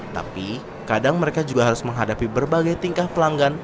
tapi kadang mereka juga harus menghadapi berbagai tingkah pelanggan